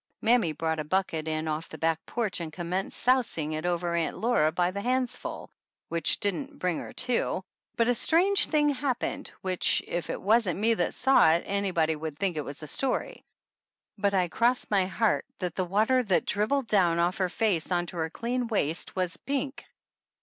Mammy brought the bucket in off the back porch and commenced sousing it over Aunt Laura by the handsful, which didn't bring her to; but a strange thing happened, which, if it wasn't me that saw it, anybody would think it was a story, but I cross my heart that the water that dribbled down off her face on to her clean waist was pink!